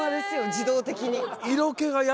自動的に。